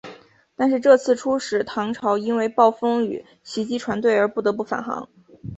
但是这次出使唐朝因为暴风雨袭击船队而不得不返航。